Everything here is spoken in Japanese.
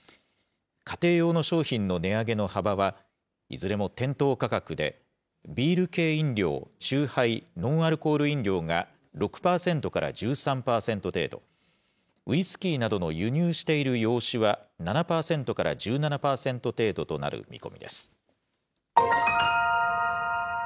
家庭用の商品の値上げの幅は、いずれも店頭価格で、ビール系飲料、チューハイ、ノンアルコール飲料が６％から１３％程度、ウイスキーなどの輸入している洋酒は７％から１７％程度となる見込みです。